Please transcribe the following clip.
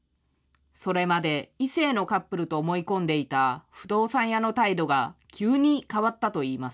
それまで異性のカップルと思い込んでいた不動産屋の態度が、急に変わったといいます。